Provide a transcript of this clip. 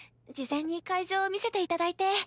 事前に会場を見せていただいて。